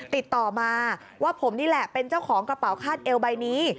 ติดต่อมาว่าผมนี่แหละเป็นเจ้าของกระเป๋าคาดเอวใบนี้